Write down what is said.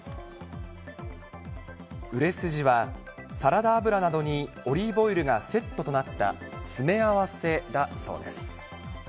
売れ筋は、サラダ油などにオリーブオイルがセットとなった詰め合わせだそうです。